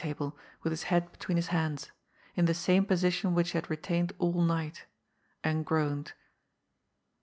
877 head between his hamis — in the same position which he had retained all night — and groaned.